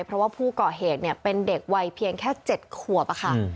เพราะว่าผู้ก่อเหตุเป็นเด็กวัยเพียงแค่๗ขวบค่ะ